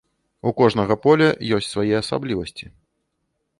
У кожнага поля ёсць свае асаблівасці.